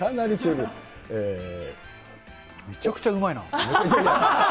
めちゃくちゃうまいな。